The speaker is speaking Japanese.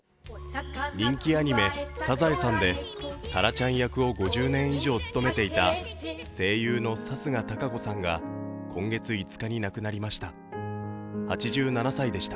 人気アニメ「サザエさん」でタラちゃん役を５０年以上務めていた声優の貴家堂子さんが今月５日に亡くなりました。